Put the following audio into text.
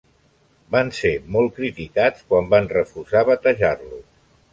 Van ser molt criticats quan van refusar batejar-lo.